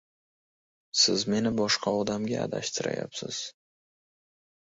Siz meni boshqa odamga adashtirayapsiz!